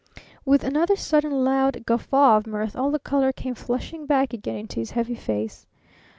With another sudden, loud guffaw of mirth all the color came flushing back again into his heavy face.